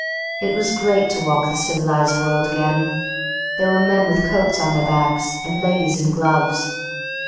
It was great to walk the civilized world again. Here were men with coats on their backs, and ladies in gloves.